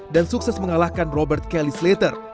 dan sukses mengalahkan robert kelly slater